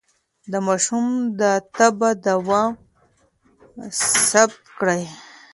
د ماشوم د تبه دوام ثبت کړئ.